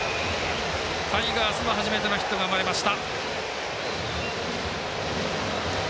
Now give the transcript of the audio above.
タイガースの初めてのヒットが生まれました。